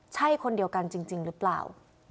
ใช่คนเดียวกันจริงหรือเปล่า